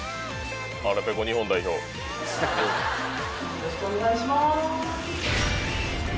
・よろしくお願いします。